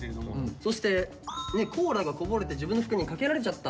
そして「コーラがこぼれて自分の服にかけられちゃった。